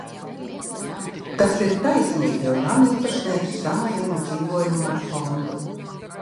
Tas ir taisnīgi, jo namīpašnieks samazina dzīvojamo fondu.